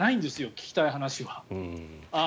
聞きたい話は。